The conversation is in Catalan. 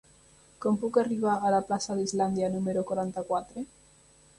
Com puc arribar a la plaça d'Islàndia número quaranta-quatre?